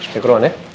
saya ke ruangan ya